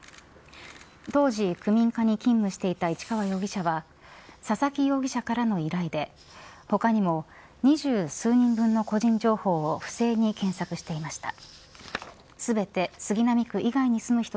当時、区民課に勤務していた市川容疑者は佐々木容疑者からの依頼で他にも二十数人分の個人情報を不正に検索していました。